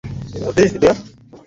আর আমি জানি তুমি ফ্যাশন পছন্দ করো।